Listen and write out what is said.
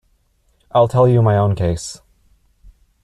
I'll tell you my own case.